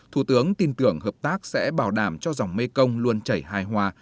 thủ tướng tin tưởng hợp tác sẽ bảo đảm cho dòng mekong luôn chảy hài hòa